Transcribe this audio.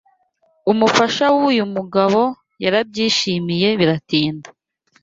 Umufasha w’uyu mugabo yarabyishimiye biratinda